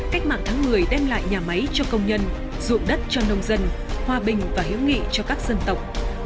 cách mạng tháng một mươi đem lại nhà máy cho công nhân ruộng đất cho nông dân hòa bình và hữu nghị cho các dân tộc